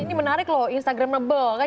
ini menarik loh instagram nebel kan